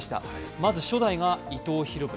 まず、初代が伊藤博文。